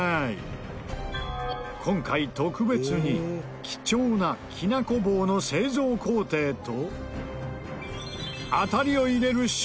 今回特別に貴重なきなこ棒の製造工程と。